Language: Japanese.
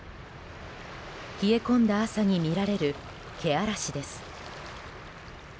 冷え込んだ朝に見られるけあらしです。